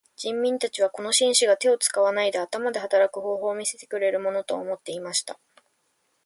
人民たちはこの紳士が手を使わないで頭で働く方法を見せてくれるものと思っていました。